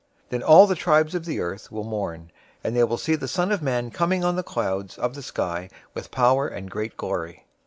Then all the tribes of the earth will mourn, and they will see the Son of Man coming on the clouds of the sky with power and great glory.